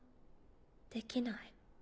できない。